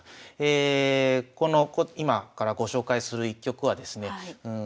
この今からご紹介する一局はですね